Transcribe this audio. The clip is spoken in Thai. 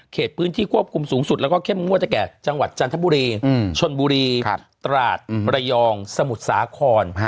พื้นที่ควบคุมสูงสุดแล้วก็เข้มงวดแก่จังหวัดจันทบุรีชนบุรีตราดระยองสมุทรสาคร